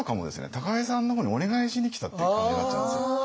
高井さんの方にお願いしに来たっていう感じになっちゃうんですよ。